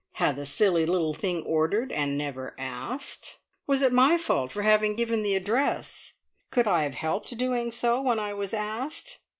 Had the silly little thing ordered, and never asked? Was it my fault for having given the address? Could I have helped doing so, when I was asked?